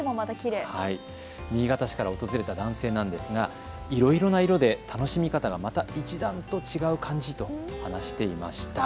新潟市から訪れた男性なんですがいろいろな色で楽しみ方がまた一段と違う感じと話していました。